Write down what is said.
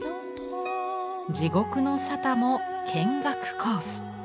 地獄の沙汰も見学コース。